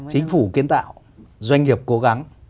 chính phủ kiến tạo doanh nghiệp cố gắng